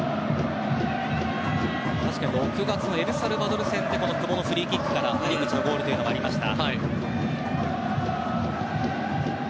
６月のエルサルバドル戦で久保のフリーキックから谷口のゴールがありました。